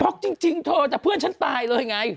ป๊อกจริงโทรจากเพื่อนฉันตายเลยไง